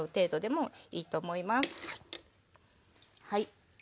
はい。